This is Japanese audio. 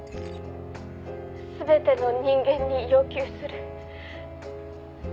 「全ての人間に要求する」